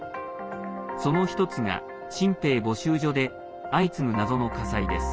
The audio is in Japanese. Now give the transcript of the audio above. その１つが、新兵募集所で相次ぐ謎の火災です。